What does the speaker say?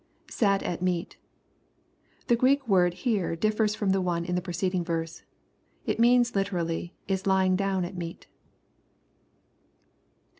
[Sat at meat,] The Greek word here differs from the one in the preceding verse. It means literally, " is lying down at meat."